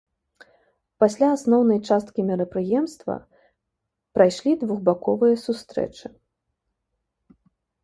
Пасля асноўнай часткі мерапрыемства прайшлі двухбаковыя сустрэчы.